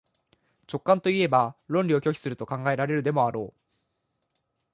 直観といえば論理を拒否すると考えられるでもあろう。